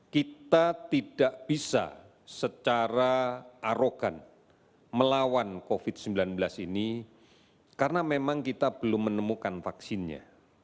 kita tidak bisa secara arogan melawan covid sembilan belas ini karena memang kita belum menemukan vaksinnya